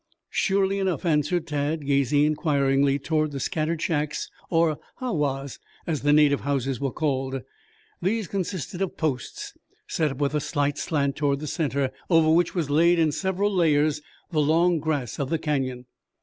"Surely enough," answered Tad, gazing inquiringly toward the scattered shacks or ha was, as the native houses were called. These consisted of posts set up with a slight slant toward the center, over which was laid in several layers the long grass of the canyon.